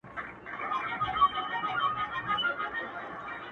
په هډوکو او په غوښو دایم موړ ؤ,